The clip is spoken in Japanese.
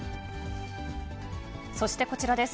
そしてこちらです。